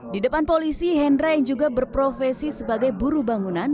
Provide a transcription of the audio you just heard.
di depan polisi hendra yang juga berprofesi sebagai buru bangunan